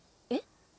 え？